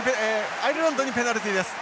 アイルランドにペナルティです。